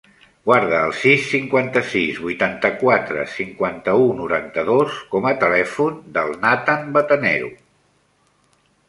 Guarda el sis, cinquanta-sis, vuitanta-quatre, cinquanta-u, noranta-dos com a telèfon del Nathan Batanero.